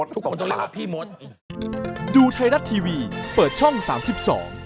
ทุกคนต้องเรียกว่าพี่หมด